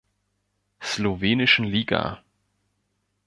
Slowenischen Liga.